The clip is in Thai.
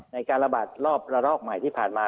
ในการระบาดรอบระลอกใหม่ที่ผ่านมา